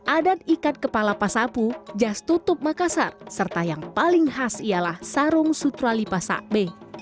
adat ikat kepala pasapu jas tutup makassar serta yang paling khas ialah sarung sutrali pasak b